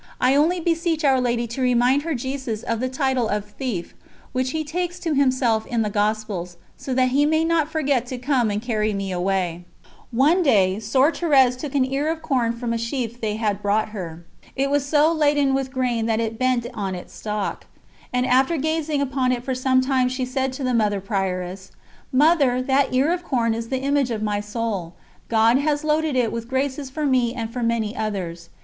I only beseech Our Lady to remind her Jesus of the title of Thief, which He takes to Himself in the Gospels, so that He may not forget to come and carry me away." ....... One day Soeur Thérèse took an ear of corn from a sheaf they had brought her. It was so laden with grain that it bent on its stalk, and after gazing upon it for some time she said to the Mother Prioress: "Mother, that ear of corn is the image of my soul. God has loaded it with graces for me and for many others.